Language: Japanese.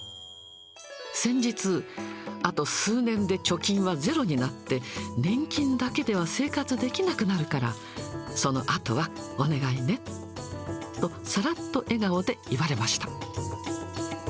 先日、あと数年で貯金はゼロになって、年金だけでは生活できなくなるから、そのあとはお願いねと、さらっと笑顔で言われました。